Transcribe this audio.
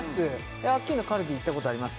アッキーナカルディ行ったことあります？